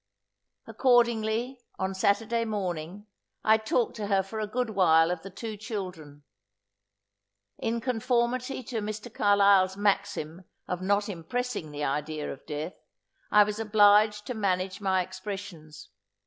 Accordingly, on Saturday morning, I talked to her for a good while of the two children. In conformity to Mr. Carlisle's maxim of not impressing the idea of death, I was obliged to manage my expressions.